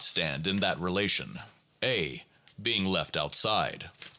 155 stand in that relation, A being left outside.